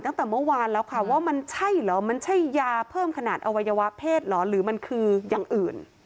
ตั้งแต่เมื่อวานแล้วค่ะว่ามันใช่เหรอมันใช่ยาเพิ่มขนาดอวัยวะเพศเหรอหรือมันคืออย่างอื่น